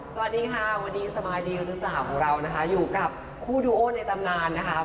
สวัสดีค่ะสบายดีหรือเปล่าอยู่กับคู่ดูโอในตำนานนะคะ